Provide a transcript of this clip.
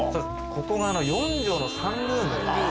ここが４帖のサンルーム。